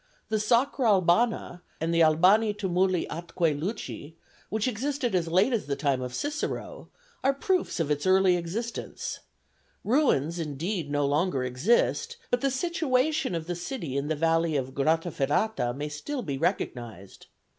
The Sacra Albana and the Albani tumuli atque luci, which existed as late as the time of Cicero, are proofs of its early existence; ruins indeed no longer exist, but the situation of the city in the valley of Grotta Ferrata may still be recognized.